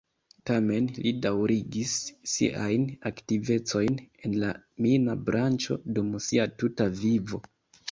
Tamen li daŭrigis siajn aktivecojn en la mina branĉo dum sia tuta vivo.